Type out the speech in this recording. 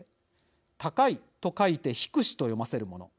「高」と書いて「ヒクシ」と読ませるもの。